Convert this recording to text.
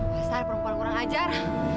pasal perempuan kurang ajar